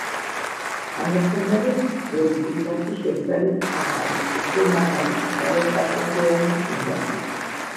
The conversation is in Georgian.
ამასთანავე, ძველი გუმბათი შეცვალეს ახალი, უფრო მაღალი, მრავალწახნაგოვანი გუმბათით.